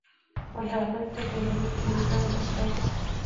عدالت د ټولنیز نظم اساس دی.